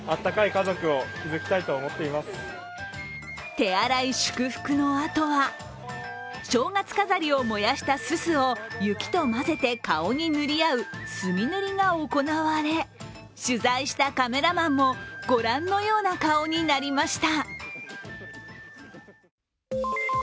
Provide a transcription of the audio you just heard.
手荒い祝福のあとは正月飾りを燃やしたすすを雪と混ぜて顔に塗り合うすみ塗りが行われ、取材したカメラマンもご覧のような顔になりました。